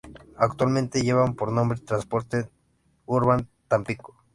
Actualmente llevan por nombre: "Transportes Urban Tampico".